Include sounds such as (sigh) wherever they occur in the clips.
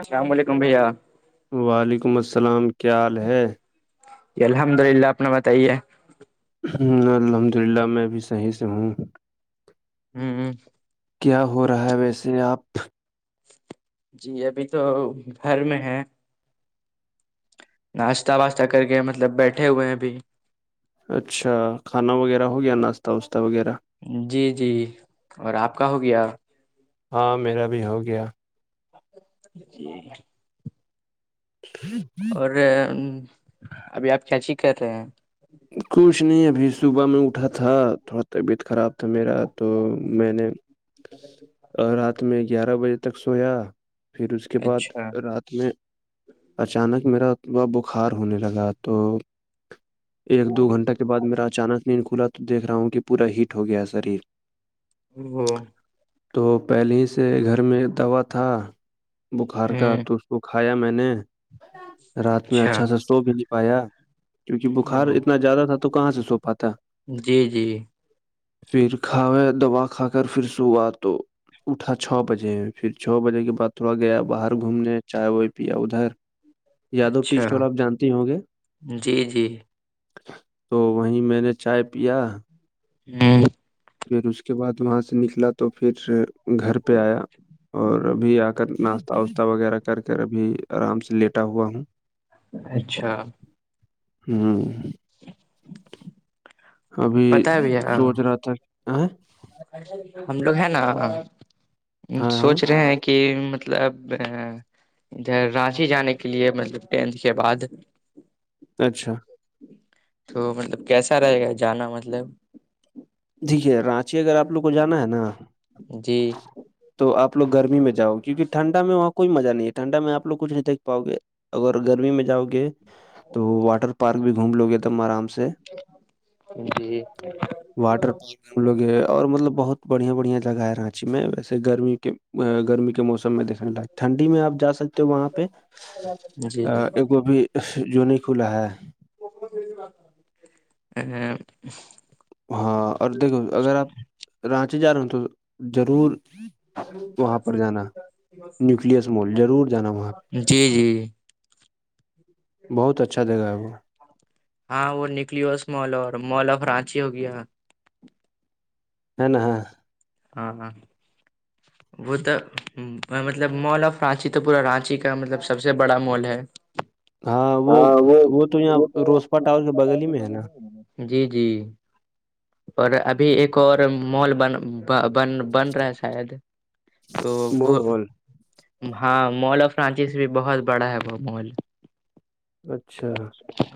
السلام علیکم بھیا وعلیکم السلام کیا حال ہے جی الحمد للہ اپنا بتائیے الحمد للہ میں بھی صحیح سے ہوں ہوں کیا ہو رہا ہے ویسے آپ جی ابھی تو گھر میں ہے ناشتہ واشتہ کر کے مطلب بیٹھے ہوئے ہیں بھی اچھا کھانا وغیرہ ہو گیا ناشتہ واشہ وغیرہ جی جی اور آپ کا ہو گیا ہاں میرا بھی ہو گیا جی ہاں اور ابھی آپ کیا چییک کر رہے ہیں کچھ نہیں ابھی صبح میں اٹھا تھا تھوڑا طبیعت خراب تھا میرا تو میں نے اچا رات میں گیارہ بجے تک سویا پھر اس کے بعد اچھا رات میں اچانک میرا وہا بخار ہونے لگا تو ایک دو گھنٹہ کے بعد میرا اچانک نہیںین کھلا تو دیکھ رہا ہوں کہ پورا ہیٹ ہو گیا ہے شریر ہاں تو پہلے ہی سے گھر میں دوا تھا بخار ہ کا تو وہ کھایا میں نے رات میں اچھا سا سو بھی نہیں پایا کار او اتنا زیادہ تھا تو کہاں سے سو پاتا جی جی پھر کھاوے دوا کھا کر پھر صبح تو اٹھا چھ بجے پھر چھ بجے کے بعد تھوڑا گیا باہر گھومنے چائے وائے پیا ادھر یادو ٹی اچھا اسٹ وال آپ جانتے ہی ہوں گے جی جی تو وہیں میں نے چائے پیا ہوں پھر اس کے بعد وہاں سے نکلا تو پھر گھر پہ آیا اور ابھی آ کر ناشتہ واشتہ وغیرہ کر کر ابھی آرام سے لیٹا ہوا ہوں اچھا ہاں جی ابھی بھیا سوچ رہا تھا ہم لوگ ہے نا ہاں ہاں سوچ رہے ہیں کہ مطب مطلب ادھر رانچی جانے کے لیے مطلب ٹینتھ کے بعد اچھا تو مطلب کیسا رہے گا جانا مطلب دیکھیے رانچی اگر آپ لوگ کو جانا ہے نا جی تو آپوگ گرمی میں جاؤ کیونک ٹھنڈا میں وہاں کوئی مزہ نہیں ہے ٹنڈا میں آ لگ کچھ نہیں دھ پاؤ گے اگر گرمی میں جاؤ گے تو واٹر پارک بھی گھوم لو گے تم آرام سے جی واٹر ہم لوگ یہ اور مطلب بہت بڑھیا بڑھیا جگہ ہے رانچی میں ویسے گرمی کے گرمی کے موسم س دیکنے ٹنڈی میں آپ جا سکتے ہو وہاں پہ جی ایک بھی جو نہیں کھلا ہے ا ہاں اور دیکھو اگر آپ رانچی جا رہے ہو تو ضرور وہاں پر جانا نیوکلس مال ضرور جانا وہاں پہ جی جی بہت اچھا جگا ہے وہ ہاں وہ نکلیوس مال اور مال آف رانچی ہو گیا ہے نا ہاںاں وہ تو مطلب مال آف رانچی تو پورا رانچی کا مطلب سب سے بڑا مال ہے ہاں وہ تو وہ یہاں روسپا ٹاور کے توپال بغل ہی میں ہے نا جی جی اور ابھی ایک اور مال بن بن بن رہا ہے شاید تو وہ مغول ہاں مال آف فرانسس بھی بہت بڑا ہے وہ مال اچھا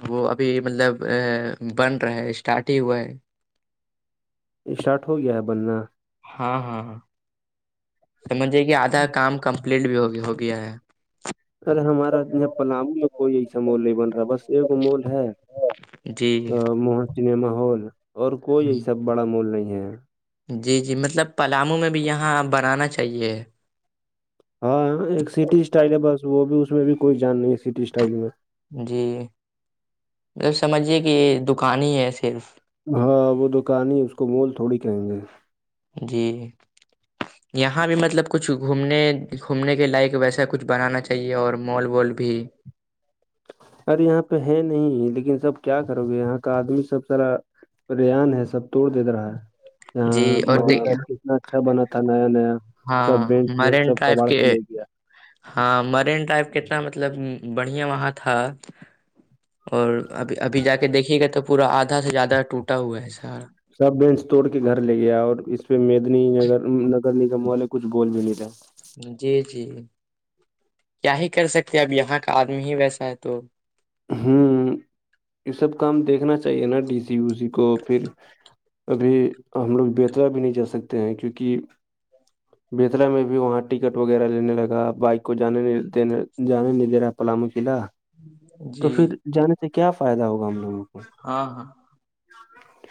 وہ ابھی مطلب بن رہا ہے اسٹارٹ ہی ہوا ہے اسٹارٹ ہو گیا ہے بننا ہاں ہاں ہاں سمجھیے کہ آدھا کام کمپلیٹ بھی ہو ہو گیا ہے ارے ہمارا ج پلام کوئی ایسا مال نہیں بن رہا بس ایکگ مال ہے جی موہن سنیما ہال اور کوئی یہ سب بڑا مول نہیں ہے جی جی مطلب پلاموں میں بھی یہاں بنانا چاہیے ہاں ایک سٹی اسٹائل ہے بس وہ بھی اس میں بھی کوئی جان نہیں ہے سٹی اسٹائل میں جی مطب سمجھیے کہ دکان ہی ہے صرف ہاں وہ دکان ہی اس کو مول تھوڑی کہیں گے جی یہاں بھی مطلب کچھ گھومنے گھومنے کے لائق ویسا کچھ بنانا چاہیے اور مال و بھی ارے یہاں پہ ہے نہیں لیکن سب کیا کرو گے یہاں کا آدمی سب سرا ریان ہے سب توڑ دے رہا ہے جی یہاں اور مرین ڈائی کتنا اچھا بنا تھا نیا نیا ہاں سب بینچ وینچ مرین سب ٹرائب کباڑ کے لے گیا ہاں مرین ٹرائب کے مطلب بڑھیا وہاں تھا اور ابھی ابھی جا کے دیکھیے گا تو پورا آدھا سے زیادہ ٹوٹا ہوا ہے سہارا سب بینچ توڑ کے گھر لے گیا اور اس پہ مدنی نگر کم والے کچھ بول بھی نہیں رہے جی جی کیا ہی کر سکتے ہیں اب یہاں کا آدمی ہی ویسا ہے تو ہوں یہ سب کام دیکھنا چاہیے نا ڈی سی او سی کو پھر ابھی ہم لوگ بہترا بھی نہیں جا سکتے ہیں کیونکہ بیترا میں بھی وہاں ٹکٹ وغیرہ لینے لگا بائک کو جانے دینے جانے نہیں دے رہا پلام قلعہ تو جی پھر جانے سے کیا فائدہ ہوگا ہم لوگوں کو ہاں ہاں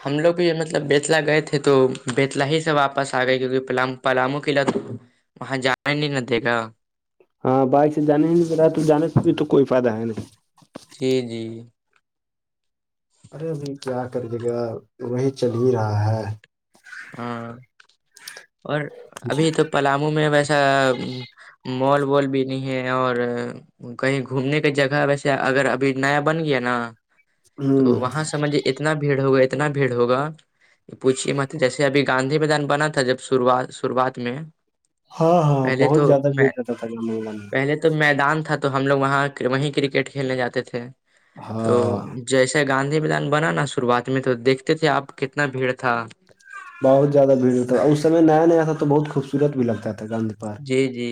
ہم لوگ بھی مطلب بیتلا گئے تھے تو بیتلا ہی سے واپس آ گئے کیونکہ پلام پلامو قلعت وہاں جانا نہیں ن دے گا ہاں بائک سے جانے ہی رہا ہے تو جانے سے بھی تو کوئی فائدہ ہے نہیں جی جی ارے ابھی کیا کریے گا وہی چل ہی رہا ہے ہاں اور جی ابھی تو پلامو میں ویسا مال وال بھی نہیں ہے اور کہیں گھومنے کے جگہ ویسے اگر ابھی نیا بن گیا نا تو ہوں وہاں سمجھے اتنا بھیڑ ہوگا اتنا بھیڑ ہوگا یہ پوچھیے مت جیسے ابھی گاندھی میدان بنا تھا جب شروات شروعات میں ہاں ہاں پہلے بہت تو زیادہ بھیڑ میں رہتا تھا گام میں پہلے میدان تھا تو ہم لوگ وہاں وہیں کرکٹ کھیلنے جاتے تھے تو ہاں جیسے گاندھی میدان بنا نا شروعات میں تو دیکھتے تھے آپ کتنا بھیڑ تھا بہت زیادہ بھیڑ ہوتا تھا اور اس سمے نیا نیا تھا تو بہت خوبصورت بھی لگتا تھا گاندھی پارک جی جی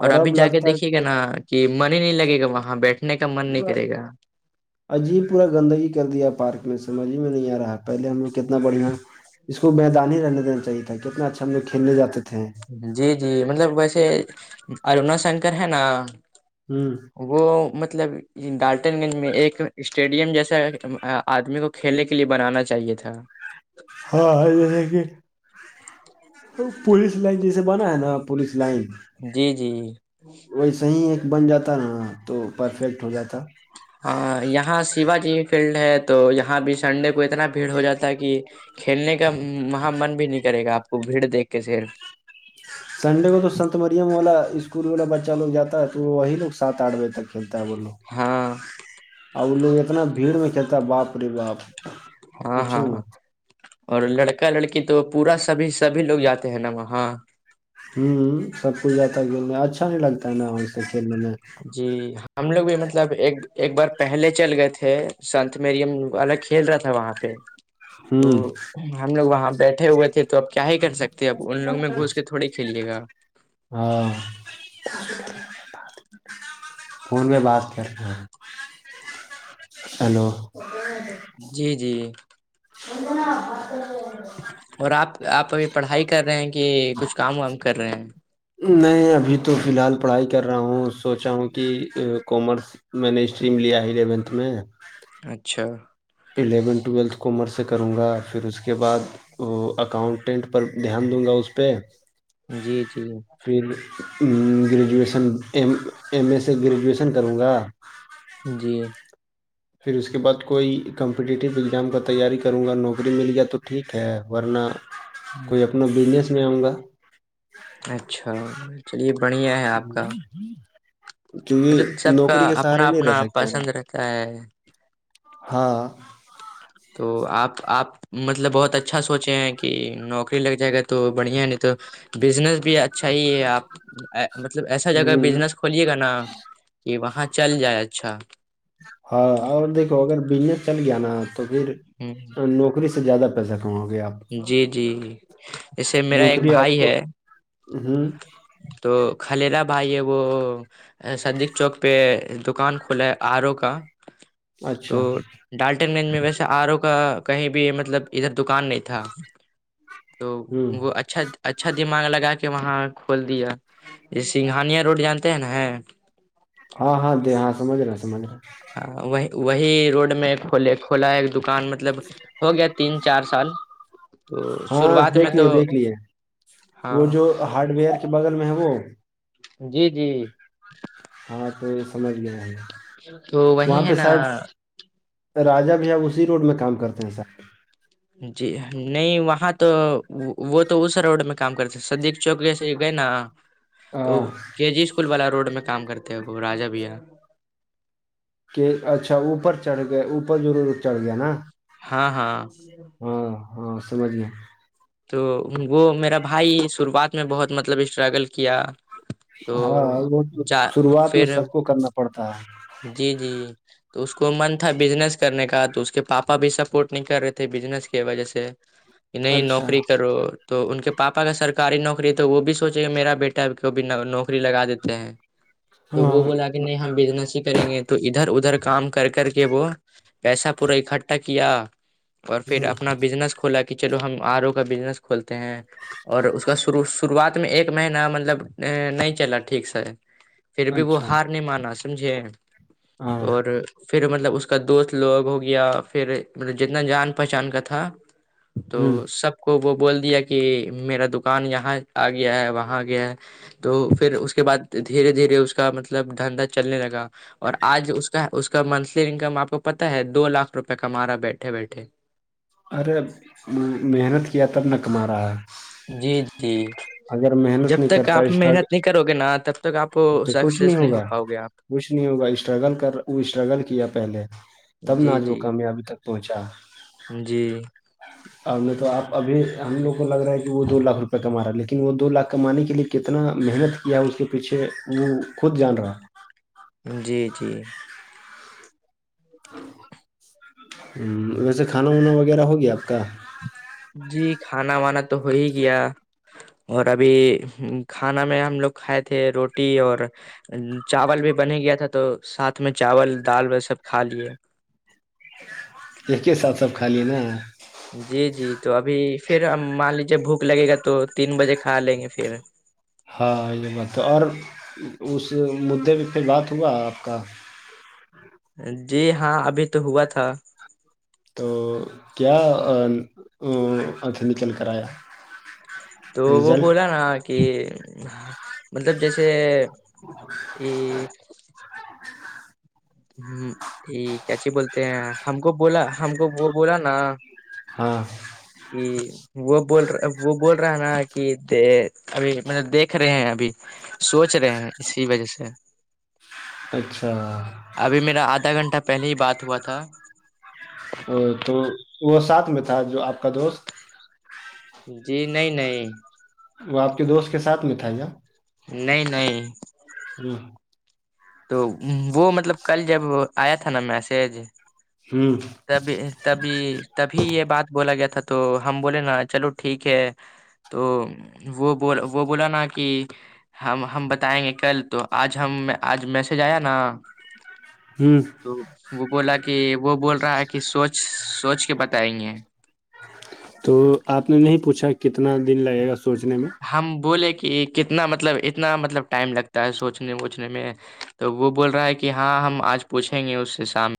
اور ابھی اب جا کے لگتا ہے کہ دیکھیے گا بھائی نا کہ من ہی نہیں لگے گا وہاں بیٹھنے کا من نہیں پورا کرے گا عجیب پورا گندگی کر دیا پارک میں سمجھ میں نہیں آ رہا ہے پہلے ہم لوگ کتنا بڑھیا اس کو میدان ہی رہنے دینا چاہیے تھا کتنا اچھا ہم لوگ کھیلنے جاتے تھے جی جی مطلب ویسے ارنا شنکر ہے نا ہوں وہ مطلب ڈالٹن گنج میں ایک اسٹیڈیم جیسا آدمی کو کھیلنے کے لیے بنانا چاہیے تھا ہاں جیس کہ پوولس لائن جیسے بنا ہے نا پوولس لائن جی جی ویسے ہی ایک بن جاتا نا تو پرفیکٹ ہو جاتا ہاں یہاں شیوا جی فیلڈ ہے تو یہاں بھی سنڈے کو اتنا بھیڑ ہو جاتا ہے کہ کھیلنے کا وہاں من بھی نہیں کرے گا آپ کو بھیڑ دیکھ کے صرف سنڈے کو تو سنت مریم والا اسکول والا بچہ لوگ جاتا ہے تو وہی لوگ سات آٹھ بجے تک کھیلتا ہے وہ لوگ ہاں ا وہ لوگ اتنا بھیڑ میں کھیلتا ہے باپ رے باپ ہاں پوچھو ہاں مت اور لڑکا لڑکی تو پورا سبھی سبھی لوگ جاتے ہیں نا وہاں ہوں سب کچھ جیا ت گ اچھا نہیں لگتا ہے نا وہ سے کھیلنے میں جی ہم لوگ بھی مطلب ایک ایک بار پہلے چل گئے تھے سنت میریم والگ کھیل رہا تھا وہاں پہ تو ہوں ہم لوگ وہاں بیٹھے ہوئے تھے تو اپ کیا ہی کر سکتے ہیں اپ ان لوگوں میں گھس کے تھوڑی کھیلیے گا ہاں فون پہ بات کر رہ ہیلو جی جی ا بس اور آپ آپ ابھی پڑھائی کر رہے ہیں کہ کچھ کام وام کر رہے ہیں میں ابھی تو فی الحال پڑھائی کر رہا ہوں سوچا ہوں کہ کامرس میں نے اسٹریم لیا ہے الیونتھ میں اچھا الیونتھ ٹویلتھ کومر سے کروں گا پھر اس کے بعد وہ اکاؤنٹینٹ پر دھیان دوں گا اس پہ جی جی پھر گریجویشن ایم ایم اے سے گریجویشن کروں گا جی پھر اس کے بعد کوئی کمپٹیٹیو ایگزام کا تیاری کروں گا نوکری مل گیا تو ٹھیک ہے ورنہ کوئی اپنا بزنس میں آؤں گا اچھا چلیے بڑھیا ہے آپ کا مطلب کیونکہ سب کا نوکری کے اپنا سہارے نہیں رہ اپنا سکتے ہیں نا پسند رہتا ہے ہاں تو آپ آپ مطلب بہت اچھا سوچے ہیں کہ نوکری لگ جائے گا تو بڑھیا ہے نہیں تو بزنس بھی اچھا ہی ہے آپ مطلب ایسا جگہ ہ بزنس کھولیے گا نا کہ وہاں چل جائے اچھا ہاں اور دیکھو اگر بزنس چل گیا نا تو پھر ہ نوکری سے زیادہ پسا کہا گ کہ آپ (unintelligible) جی جی ایسے میرا ایک نوکری آپ بھائی کو ہے ہوں تو کلیرا بھائی ہے وہ سدق چوک پہ دکان کھلا ہے آر او کا تو اچھا ڈالٹن گنج میں ویسے آر او کا کہیں بھی مطلب ادھر دکان نہیں تھا تو ہوں وہ اچھا اچھا دماغ لگا کے وہاں کھول دیا یہ سنگھانیا روڈ جانتے ہیں نا ہاں ہاں د ہاں سمج رہا سمج رہا ہاں وہ وہی روڈ میں کول کھولا ہے ایک دکان مطلب ہو گیا تین چار سال تو ہاں شروعات میں دیکھ لیے تو دیکھ لیے ہاں وہ جو ہارڈ ویئر کے بغل میں ہے وہ جی جی (inaudible) ہاں تو یہ سمجھ گیا ہے تو وہاں وہی ہے پہ نا شاید راجہ بھی آب اسی روڈ میں کام کرتے ہیں سر جچھ (unintelligible) جی نہیں وہاں تو وہ تو اس روڈ میں کام کرتے تھ سدیق چوک جیسے گئے نا تو کے جی اسکول والا روڈ میں کام کرتے ہیں وہ راجا بھی ہے کہ اچھا اوپر چڑھ گئے اوپر ضرور چڑھ گیا نا ہاں ہاں ہاں ہاں سمجھ گی تو وہ میرا بھائی شروعات میں بہت مطلب اسٹرگل کیا تو ہاں وہ جا شروعات میں پھر سب کو کرنا پڑتا ہے جی جی (inaudible) تو اس کو من تھا بزنس کرنے کا تو اس کے پاپا بھی سپورٹ نہیں کر رہے تھے بزنس کی وجہ سے نہیں اچھا نوکری کرو تو ان کے پاپا کا سرکاری نوکری تو وہ بھی سوچے کہ میرا بیٹا کو بھیھی نوکری لگا دیتے ہیں تو ہاں وہ بولا کہ نہیں ہم بییدناس کریں گے تو ادھر ادھر کام کر کر کے وہ پیسہ پورا اکٹھا کیا اور پھر ہ اپنا بزنس کولا کہ چلو ہم آر ا کا بزنس کھولتے ہیں اور اس کا شرو شروعات میں ایک مہینہ مطلب نہیں چلا ٹھیک س پھر بھی وہ اچھا ہار نہیں مانا س سمجھے ہاں اور (unintelligible) پھر مطلب اس کا دوست لوگ ہو گیا پھر مطلب جتنا جان پہچان کا تھا تو ہوں سب کو وہ بول دیا کہ میرا دکان یہاں آ گیا ہے وہاں آ گیا ہے تو پھر اس کے بعد دھیرے دھیرے اس کا مطلب دھندندا چلنے لگا اور آج اس کا اس کا منتھلی انکم آپ کو پتتا ہے دو لاکھ روپے کمارا بیٹھے بیٹھے ارےب محنت کیا تب نہ کما رہا ہے جی جی اگر محنت جب نہیں تک کرتا آپ محنت اسٹرگل نہیں کرو گے نا تب تک آپ تو کچھ نہیں سکسیس ہو ہوگا پاؤ گے آپ کچھ نہیں ہوگا اسٹرگل کر وہ اسٹرگل کیا پہلے تب نہ جی آج جی وہ کامیابی تک پوچا (unintelligible) جی (inaudible) اور نہیں تو آپ ابھی ہم لوگوں کو لگ رہا ہے کہ وہ دو لاکھ روپے کما رہا ہے لیکن وہ دو لاکھ کمانے کے لیے کتنا محنت کیا اس کے پیچھے وہ خود جان رہا جی جی ہ ویسے کھانا وانا وغیرہ ہو گیا آپ کا جی کھانا وانا تو ہو ہی گیا اور ابھی کھانا میں ہم لوگ کھائے تھے روٹی اور چاول بھی بنے گیا تھا تو ساتھ میں چاول دال و سب کھا لیے ایک ہی ساتھ سب خالیے نا جی جی تو ابھی پھر مان لیجے بھوک لگے گا تو تین بجے کھا لیں گے پھر ہاں یہ بات ہے اور اس مدعے پہ پئی بات ہوا آپ کا جی ہاں ابھی تو ہوا تھا تو کیا آکھیں نکل کر آیا تو وہ رزلٹ بولا نا کہ مطلب جیسے ا ہ یہ کیاچی بولتے ہیں ہم کو بولا ہم کو وہ بولا نا ہاں کہ وہ بولا وہ بول رہا ہے نا کہ د ابھی مطلب دیکھ رہے ہیں ابھی سوچ رہے ہیں اسی وجہ سے اچھا (inaudible) ابھی میرا آدھا گھنٹہ پہلے ہی بات ہوا تھا (unintelligible) ا تو وہ ساتھ میں تھا جو آپ کا دوست جی نہیں نہیں (unintelligible) وہ آپ کے دوست کے ساتھ مٹھائییا نہیں نہیں ہ تو وہ مطلب کل جب آیا تھا نا میسج ہوں تبھی تبھی تبھی یہ بات بولا گیا تھا تو ہم بولے نا چلو ٹھیک ہے تو وہ ب وہ بولا نا کہ ہم ہم بتائیں گے کل تو آج ہم آج میسج آیا نا جی (unintelligible) تو وہ بولا کہ وہ بول رہا ہے کہ سوچ سوچ کے بتائیں گے تو آپ نے نہیں پوچھا کتنا دن لگے گا سوچنے میں ہم بولے کہ کتنا مطلب اتنا مطلب ٹائم لگتا ہے سوچنے ووچنے میں (unintelligible) تو وہ بول رہا ہے کہ ہاں ہم آج پوچھیں گے اس سے سامنے (unintelligible)